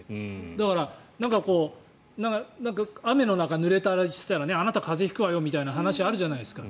だから、雨の中ぬれたりしたらあなた風邪引くわよみたいな話があるじゃないですか。